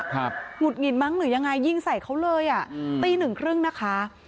หงุดหงิดมั้งหรือยังไงยิงใส่เขาเลยอ่ะตี๑๓๐นะคะ